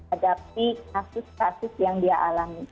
hadapi kasus kasus yang dia alami